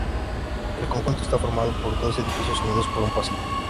El conjunto está formado por dos edificios unidos por un pasillo.